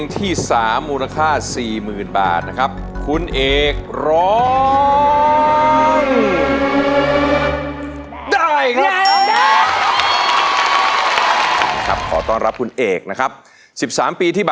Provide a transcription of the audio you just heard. ที่๓มูลภาษา๔หมื่นบาทครับ